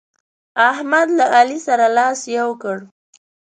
احمد له علي سره لاس يو کړ.